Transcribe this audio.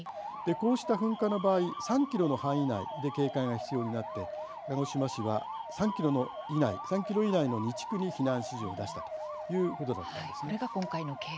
こうした噴火の場合３ｋｍの範囲内で警戒が必要になって、鹿児島市は３ｋｍ以内の２地区に避難指示を出したということだったんです。